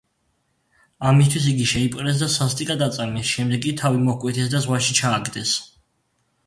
ამისთვის იგი შეიპყრეს და სასტიკად აწამეს, შემდეგ კი თავი მოჰკვეთეს და ზღვაში ჩააგდეს.